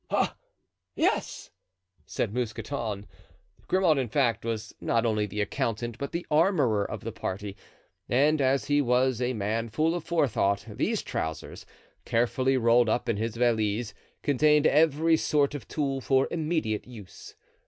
"Ah, yes!" said Mousqueton. Grimaud, in fact, was not only the accountant, but the armorer of the party; and as he was a man full of forethought, these trousers, carefully rolled up in his valise, contained every sort of tool for immediate use.